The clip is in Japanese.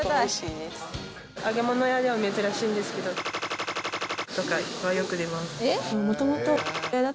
揚げ物屋では珍しいんですけどはよく出ます。